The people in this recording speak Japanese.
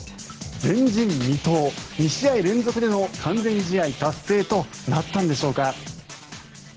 前人未到、２試合連続での完全試合達成となったのでしょうか。